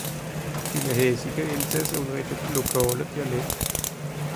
Bén a Häsiger Elssaser, un rèd a lokàla dialekt.